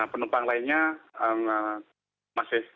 penumpang lainnya masih